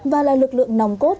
và là lực lượng nòng cốt